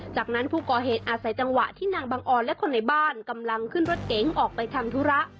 จากนั้นผู้ก่อเหตุอาศัยจังหวะที่นางบังออนและคนในบ้านกำลังขึ้นรถเก๋งออกไปทำธุระ